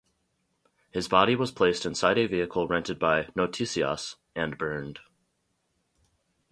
His body was placed inside a vehicle rented by "Noticias", and burned.